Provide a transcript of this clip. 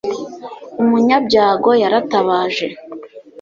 umunyabyago yaratabaje